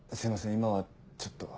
今はちょっと。